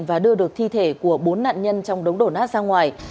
và đưa được thi thể của bốn nạn nhân trong đống đổ nát ra ngoài